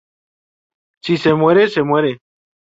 Si se muere, se muere".